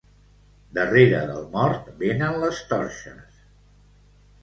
Darrere del mort venen les torxes.